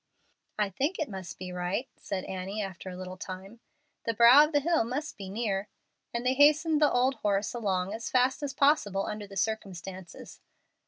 "I think I must be right," said Annie, after a little time; "the brow of the hill must be near;" and they hastened the old horse along as fast as possible under the circumstances.